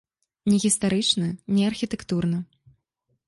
Ні гістарычна, ні архітэктурна.